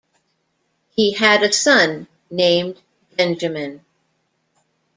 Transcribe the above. He had a son named Benjamin.